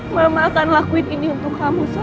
mama akan lakuin ini untuk kamu so